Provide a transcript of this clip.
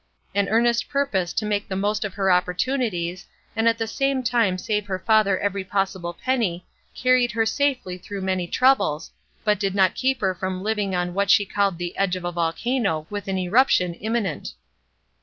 An earnest purpose to make the most of her opportunities and at the same time save her father every possible penny carried her safely through many troubles, but did not keep her from living on what she called the edge of a volcano with an eruption imminent.